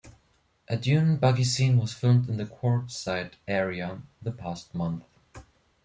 A dune buggy scene was filmed in the Quartzsite area the past month.